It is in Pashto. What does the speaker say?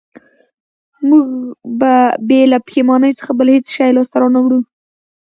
موږ به بې له پښېمانۍ څخه بل هېڅ شی لاسته را نه وړو